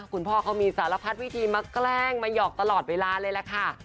คุณพ่อเขามีสารพัดวิธีมาแกล้งมาหยอกตลอดเวลาเลยล่ะค่ะ